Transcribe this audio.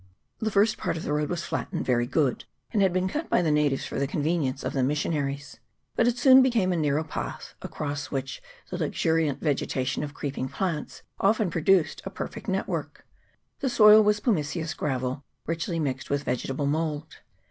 . The first part of the road was flat and very good, and had been cut by the natives for the convenience of the missionaries ; but it soon became a narrow path, across which the luxuriant vegetation of creep ing plants often produced a perfect net work. The soil was pumiceous gravel, richly mixed with vege table mould.